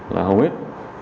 là hầu hết